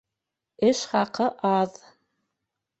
Эш хаҡы аҙ